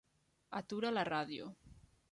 Atura la ràdio.